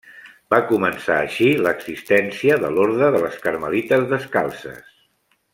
Va començar així, l'existència de l'orde de les Carmelites Descalces.